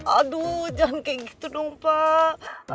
aduh jangan kayak gitu dong pak